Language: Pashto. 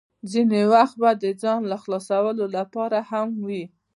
ځینې وخت به د ځان خلاصولو لپاره هم وې.